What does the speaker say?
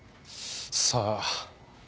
さあ。